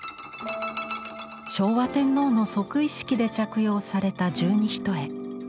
昭和天皇の即位式で着用された十二単。